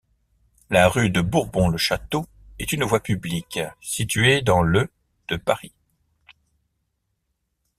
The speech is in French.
La rue de Bourbon-Le-Château est une voie publique située dans le de Paris.